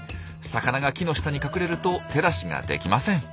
魚が木の下に隠れると手出しができません。